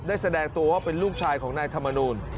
แสดงตัวว่าเป็นลูกชายของนายธรรมนูล